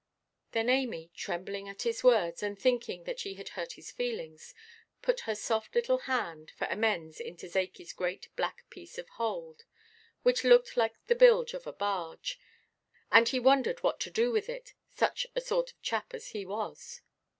Then Amy, trembling at his words, and thinking that she had hurt his feelings, put her soft little hand, for amends, into Zakeyʼs great black piece of hold, which looked like the bilge of a barge; and he wondered what to do with it, such a sort of chap as he was.